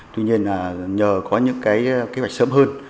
tuy nhiên nhờ có những kế hoạch sớm hơn